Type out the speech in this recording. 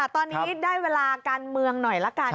ตอนนี้ได้เวลาการเมืองหน่อยละกัน